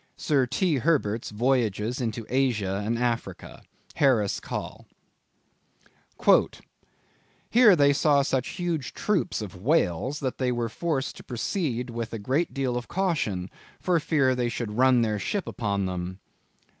—Sir T. Herbert's Voyages into Asia and Africa. Harris Coll. "Here they saw such huge troops of whales, that they were forced to proceed with a great deal of caution for fear they should run their ship upon them."